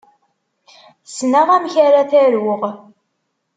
Ssneɣ amek ara t-aruɣ.